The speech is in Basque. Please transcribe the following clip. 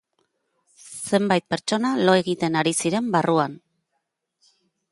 Zenbait pertsona lo egiten ari ziren barruan.